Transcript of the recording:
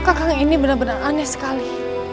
kakang ini benar benar aneh sekali